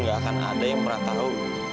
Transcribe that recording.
saya bekerja dengan temat baru